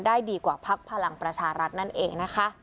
ได้ดีกว่าพักพลังประชารัฐนั่นเอง